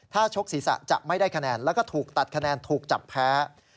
ถ้าชกศีรษะจะไม่ได้คะแนนแล้วก็ถูกตัดคะแนนถูกจับแพ้